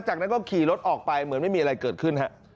จากนั้นก็ขี่รถออกไปเหมือนไม่มีอะไรเกิดขึ้นฮะ